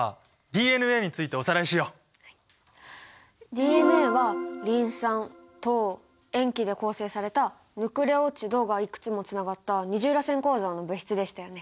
ＤＮＡはリン酸・糖・塩基で構成されたヌクレオチドがいくつもつながった二重らせん構造の物質でしたよね。